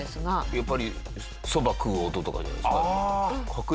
やっぱり蕎麦食う音とかなんですか？